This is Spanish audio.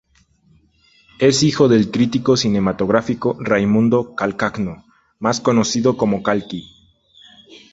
Es hijo del crítico cinematográfico Raimundo Calcagno, más conocido como Calki.